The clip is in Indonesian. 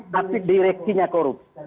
tapi direksinya korupsi